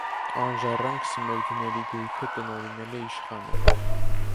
Անժառանգ սմերդների գույքը տնօրինել է իշխանը։